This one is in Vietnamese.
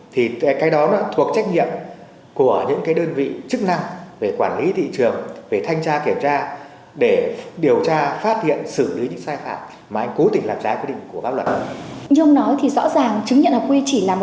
thì yêu cầu người ta khắc phục để ta tiếp tục làm